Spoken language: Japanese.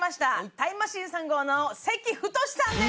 タイムマシーン３号の関太さんです